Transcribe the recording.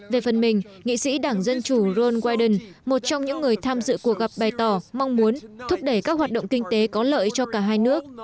về phần mình nghị sĩ đảng dân chủ ron wyden một trong những người tham dự cuộc gặp bày tỏ mong muốn thúc đẩy các hoạt động kinh tế có lợi cho cả hai nước